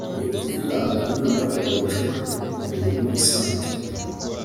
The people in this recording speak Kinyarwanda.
(ni ukuvuga amafaranga akoreshwa ku mirimo isanzwe